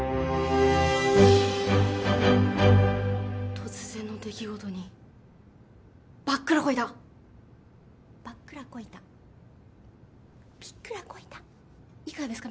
突然の出来事にバックらこいたバックらこいたビックらこいたいかがですか？